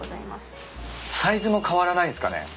サイズも変わらないんすかね？